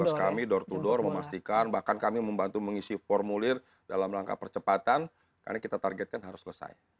terus kami door to door memastikan bahkan kami membantu mengisi formulir dalam langkah percepatan karena kita targetkan harus selesai